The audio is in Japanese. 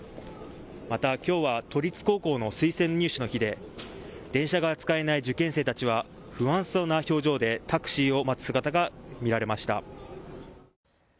また、きょうは都立高校の推薦入試の日で電車が使えない受験生たちは不安そうな表情でタクシーを待つ姿が見られました。